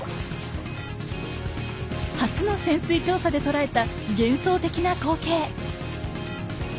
初の潜水調査で捉えた幻想的な光景。